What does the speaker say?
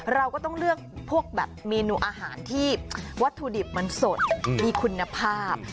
เราก็ต้องเลือกพวกแบบเมนูอาหารที่วัตถุดิบมันสดมีคุณภาพ